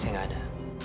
saya gak ada